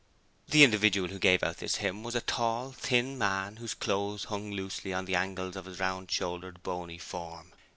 The individual who gave out this hymn was a tall, thin man whose clothes hung loosely on the angles of his round shouldered, bony form.